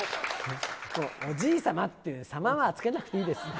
おじい様って、様はつけなくていいです。